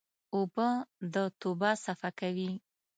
اوبه د توبه صفا کوي.